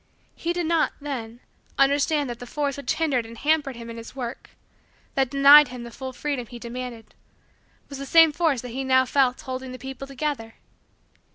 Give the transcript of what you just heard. He did not, then, understand that the force which hindered and hampered him in his work that denied him the full freedom he demanded was the same force that he now felt holding the people together.